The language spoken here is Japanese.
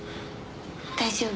大丈夫。